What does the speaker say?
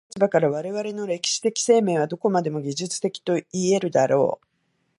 かかる立場から、我々の歴史的生命はどこまでも技術的といい得るであろう。